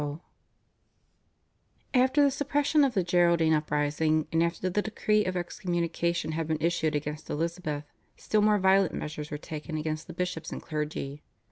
After the suppression of the Geraldine uprising and after the decree of excommunication had been issued against Elizabeth still more violent measures were taken against the bishops and clergy.